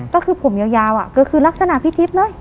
ก็คือผมยาวก็คือลักษณะพี่ทิพย์เลย